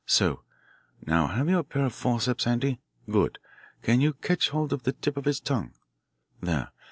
So. Now, have you a pair of forceps handy? Good. Can you catch hold of the tip of his tongue? There.